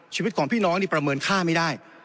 ชีวิตของพี่น้องนี่ประเมินค่าไม่ได้